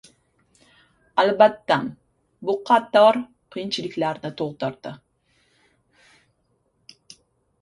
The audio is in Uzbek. Albattam bu qator qiyinchiliklarni tug'dirdi.